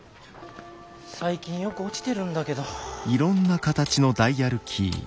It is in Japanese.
最近よく落ちてるんだけど。